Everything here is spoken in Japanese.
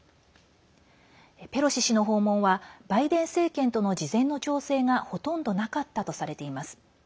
ペロシ氏の訪問はバイデン政権との事前の調整がほとんどなかったとされています。